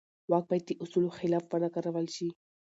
واک باید د اصولو خلاف ونه کارول شي.